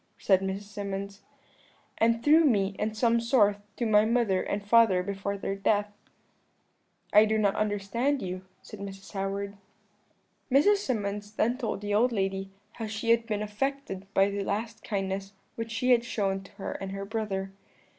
said Mrs. Symonds, 'and through me, in some sort, to my mother and father before their death.' "'I do not understand you,' said Mrs. Howard. "Mrs. Symonds then told the old lady how she had been affected by the last kindness which she had shown to her and her brother.